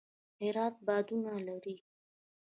هرات بادونه لري